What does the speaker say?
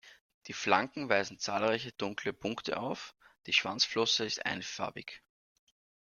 Die Flanken weisen zahlreiche dunkle Punkte auf, die Schwanzflosse ist einfarbig.